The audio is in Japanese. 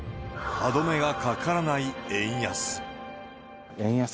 歯止めがかからない円安。